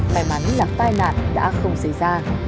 thái mắn là tai nạn đã không xảy ra